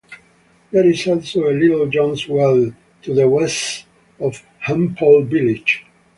There is also a "Little John's Well" to the west of Hampole village.